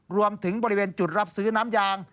รวมถึงบริเวณจุดรับซื้อน้ำยาง